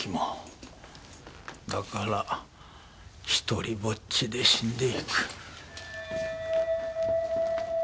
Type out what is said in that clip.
だから独りぼっちで死んでいく。